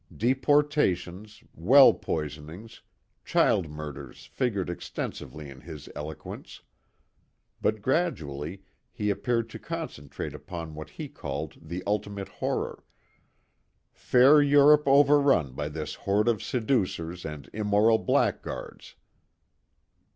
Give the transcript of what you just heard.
Deportations, well poisonings, child murders figured extensively in his eloquence. But gradually he appeared to concentrate upon what he called the ultimate horror "fair Europe overrun by this horde of seducers and immoral blackguards."